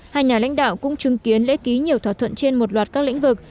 hai nhà lãnh đạo cũng chứng kiến lễ ký nhiều thỏa thuận trên một loạt các lĩnh vực